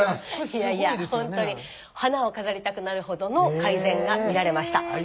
いやいやほんとに花を飾りたくなるほどの改善が見られました。